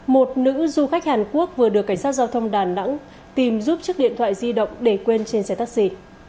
một nữ du khách hàn quốc vừa được cảnh sát giao thông đà nẵng tìm giúp chiếc điện thoại di động để quên trên xe taxi